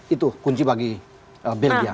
itu kunci bagi belgia